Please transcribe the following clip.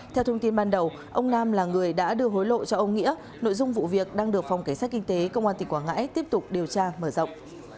theo thông tin ban đầu ông nam là người đã đưa hối lộ cho ông nghĩa nội dung vụ việc đang được phòng cảnh sát kinh tế công an tỉnh quảng ngãi tiếp tục điều tra mở rộng